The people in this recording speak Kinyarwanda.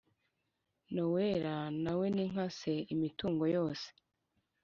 nowela nawe ninkase imitungo yose